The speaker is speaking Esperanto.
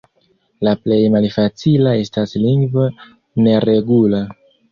La plej malfacila estas lingvo neregula.